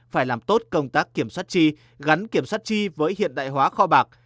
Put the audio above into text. phải làm tốt công tác kiểm soát chi gắn kiểm soát chi với hiện đại hóa kho bạc